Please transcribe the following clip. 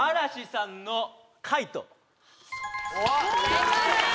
正解です！